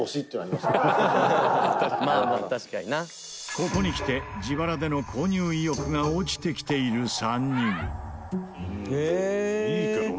ここにきて自腹での購入意欲が落ちてきている３人富澤：いいけどな。